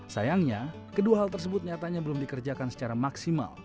sayangnya kedua hal tersebut nyatanya belum dikerjakan secara maksimal